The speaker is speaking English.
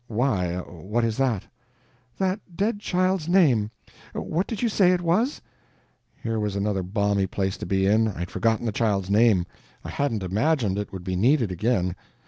"Why, what is that?" "That dead child's name. What did you say it was?" Here was another balmy place to be in: I had forgotten the child's name; I hadn't imagined it would be needed again.